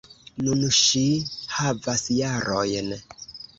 Nun ŝi havas jarojn.